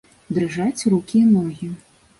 Дрыжаць рукі і ногі.